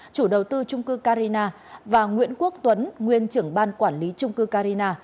chủ đầu tư trung cư carina và nguyễn quốc tuấn nguyên trưởng ban quản lý trung cư carina